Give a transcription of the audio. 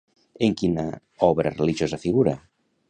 En quina obra religiosa figura?